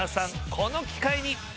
この機会に。